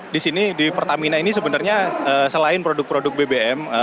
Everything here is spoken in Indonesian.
disini di pertamina ini sebenernya selain produk produk bbm